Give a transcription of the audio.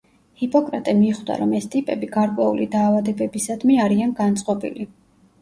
ჰიპოკრატე მიხვდა, რომ ეს ტიპები გარკვეული დაავადებებისადმი არიან განწყობილი.